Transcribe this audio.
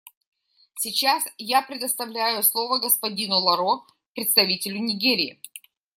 Сейчас я предоставляю слово господину Ларо — представителю Нигерии.